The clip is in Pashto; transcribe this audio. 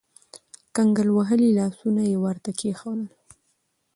کنګل وهلي لاسونه يې ورته کېښودل.